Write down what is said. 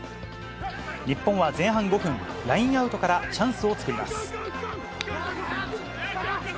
日本は前半５分、ラインアウトからチャンスを作ります。